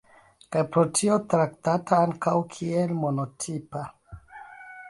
Kaj pro tio traktata ankaŭ kiel monotipa.